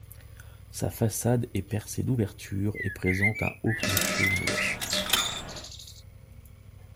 Sa façade est percée d'ouvertures et présente un haut clocher-mur.